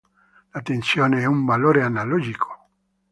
La "tensione" è un valore analogico.